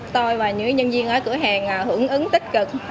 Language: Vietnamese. tôi và những nhân viên ở cửa hàng hưởng ứng tích cực